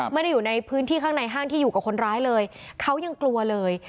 ไม่ได้อยู่ในพื้นที่ข้างในห้างที่อยู่กับคนร้ายเลยเขายังกลัวเลย